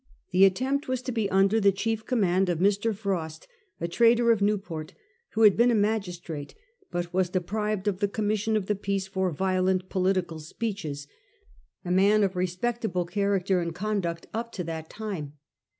The attempt was to be under the chief command of Mr. Frost, a trader of Newport, who had been a magistrate, but was deprived of the commis sion of the peace for violent political speeches — a 1839 40. FROST'S OUTBREAK. 121 man of respectable character and conduct up to that time.